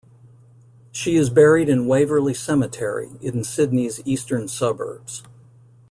She is buried in Waverley Cemetery, in Sydney's eastern suburbs.